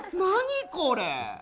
何これ？